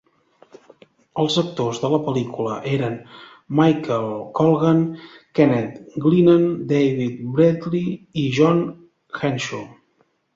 Els actors de la pel·lícula eren Michael Colgan, Kenneth Glenaan, David Bradley i John Henshaw.